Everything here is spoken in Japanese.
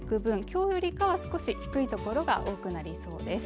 きょうより少し低い所が多くなりそうです